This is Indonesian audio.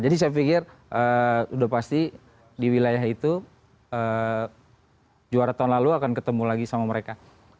jadi saya pikir udah pasti di wilayah itu juara tahun lalu akan ketemu lagi sama mereka